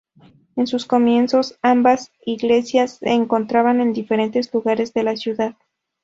En sus comienzos ambas iglesias se encontraban en diferentes lugares de la ciudad.